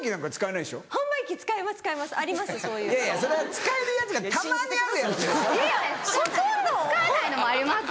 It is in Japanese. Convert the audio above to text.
使えないのもあります。